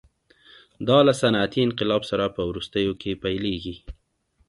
دا له صنعتي انقلاب سره په وروستیو کې پیلېږي.